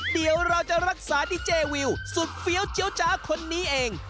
เดี๋ยวเราจะรักษาดีเจวิวสุดเฟี้ยวเจี๊ยจ๊ะคนนี้เอง